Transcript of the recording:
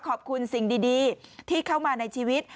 ขอบคุณสิ่งดีที่เข้ามาในชีวิต